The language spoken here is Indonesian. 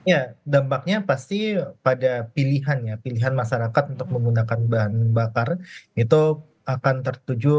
ya dampaknya pasti pada pilihan ya pilihan masyarakat untuk menggunakan bahan bakar itu akan tertuju